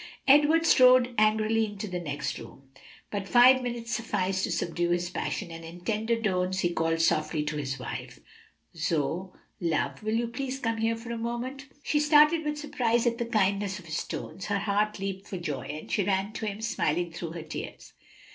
Edward strode angrily into the next room; but five minutes sufficed to subdue his passion, and in tender tones he called softly to his wife, "Zoe, love, will you please come here for a moment?" She started with surprise at the kindness of his tones, her heart leaped for joy, and she ran to him, smiling through her tears.